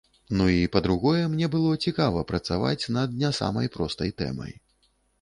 Ну, і па-другое, мне было цікава працаваць над не самай простай тэмай.